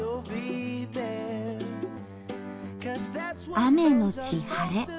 「雨のち晴」。